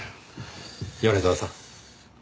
米沢さん。